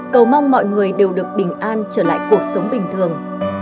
cầu mong mọi người đều được bình an trở lại cuộc sống bình thường